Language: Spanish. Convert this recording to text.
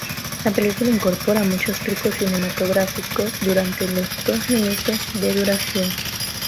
La película incorpora muchos trucos cinematográficos durante los dos minutos de duración.